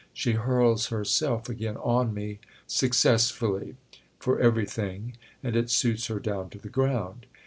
She hurls herself again on me—successfully!—for everything, and it suits her down to the ground.